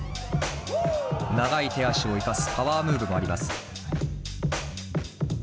長い手足を生かすパワームーブもあります。